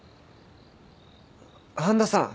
半田さん。